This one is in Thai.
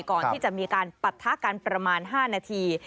ก่อนที่จะมีการปะทะกันประมาณ๕นาที